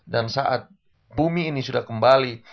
dan saat bumi ini sudah kembali